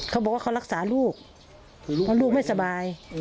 เขาบอกว่าเขารักษาลูกเพราะลูกไม่สบาย